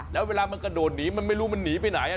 แล้วเวลามันกระโดดหนีมันไม่รู้มันหนีไปไหน